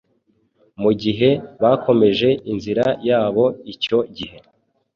Mugihe bakomeje inzira yabo icyo gihe